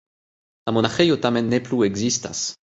La monaĥejo tamen ne plu ekzistas.